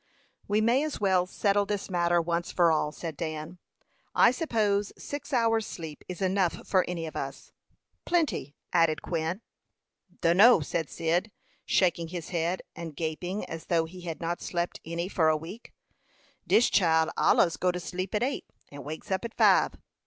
"We may as well settle this matter once for all," said Dan. "I suppose six hours' sleep is enough for any of us." "Plenty," added Quin. "Dunno," said Cyd, shaking his head, and gaping as though he had not slept any for a week. "Dis chile allus goes to sleep at eight, and wakes up at five.